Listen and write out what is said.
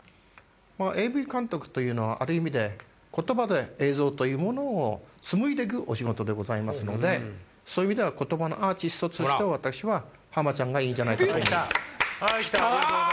ＡＶ監督というのはある意味で言葉で映像というものを紡いで行くお仕事でございますのでそういう意味では言葉のアーティストとして私は浜ちゃんがいいんじゃないかと思います。